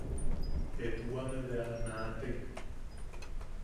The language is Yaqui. Etwame bea naatek.